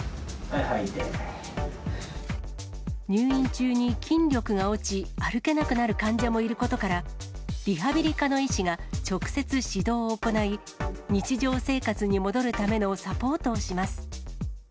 入院中に筋力が落ち、歩けなくなる患者もいることから、リハビリ科の医師が直接指導を行い、日常生活に戻るためのサポートをします。